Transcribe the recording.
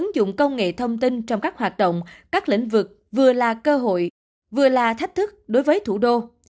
ứng dụng công nghệ thông tin trong các hoạt động các lĩnh vực vừa là cơ hội vừa là thách thức đối với thủ đô